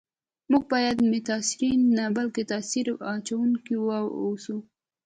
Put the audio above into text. موږ باید متاثرین نه بلکي تاثیر اچونکي و اوسو